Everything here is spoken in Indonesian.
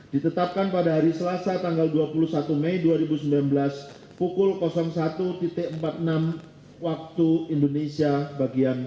ditetapkan pada hari selasa tanggal dua puluh satu mei dua ribu sembilan belas pukul satu empat puluh enam wib